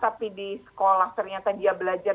tapi di sekolah ternyata dia belajar